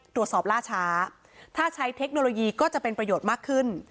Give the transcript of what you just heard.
ล่าช้าถ้าใช้เทคโนโลยีก็จะเป็นประโยชน์มากขึ้น